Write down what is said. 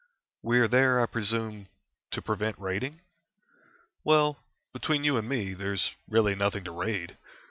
"We are there, I presume, to prevent raiding?" "Well, between you and me, there's really nothing to raid.